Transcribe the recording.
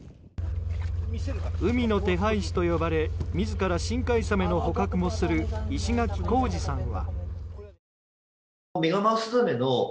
海の手配師と呼ばれ自ら深海サメの捕獲もする石垣幸二さんは。